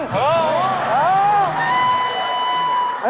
เออเออ